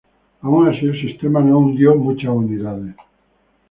Aun así, el sistema no vendió muchas unidades.